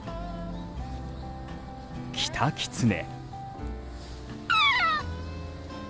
キタキツネ。